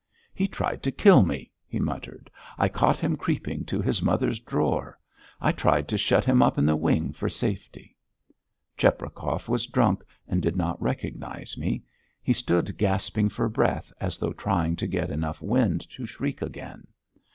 "He tried to kill me," he muttered. "I caught him creeping to his mother's drawer.... I tried to shut him up in the wing for safety." Cheprakov was drunk and did not recognise me. He stood gasping for breath as though trying to get enough wind to shriek again.